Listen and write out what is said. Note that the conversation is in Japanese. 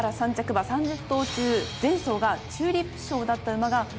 馬３０頭中前走がチューリップ賞だった馬が何と１８頭。